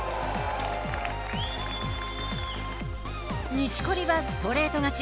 錦織はストレート勝ち。